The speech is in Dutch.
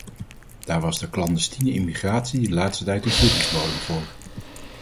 Daar was de clandestiene immigratie de laatste tijd een voedingsbodem voor.